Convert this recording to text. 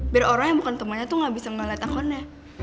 biar orang yang bukan temannya tuh gak bisa melihat akunnya